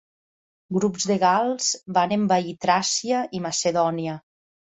Grups de gals van envair Tràcia i Macedònia.